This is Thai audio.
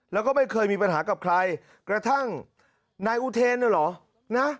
แล้วก็ไม่เคยมีปัญหากับใครกระทั่งนายอุเทนเนี่ยเหรอนะ